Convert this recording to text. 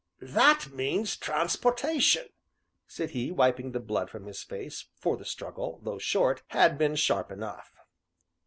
"That means 'Transportation'!" said he, wiping the blood from his face, for the struggle, though short, had been sharp enough.